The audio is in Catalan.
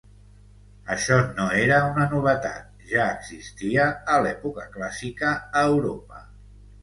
Això no era una novetat, ja existia a l'època clàssica a Europa.